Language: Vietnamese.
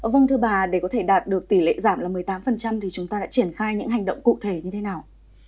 vâng thưa bà để có thể đạt được tỷ lệ giảm là một mươi tám thì chúng ta đã triển khai những hành động cụ thể như thế nào